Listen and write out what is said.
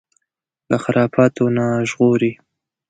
له خرافاتو نه ژغوري